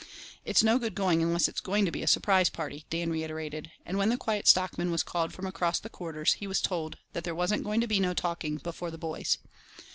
"It's no good going unless it's going to be a surprise party," Dan reiterated; and when the Quiet Stockman was called across from the Quarters, he was told that "there wasn't going to be no talking before the boys."